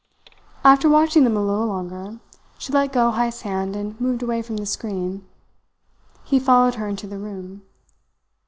After watching them a little longer, she let go Heyst's hand and moved away from the screen. He followed her into the room.